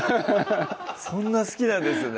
そんな好きなんですね